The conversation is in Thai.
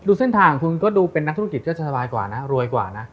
เส้นทางของคุณก็ดูเป็นนักธุรกิจก็จะสบายกว่านะรวยกว่านะ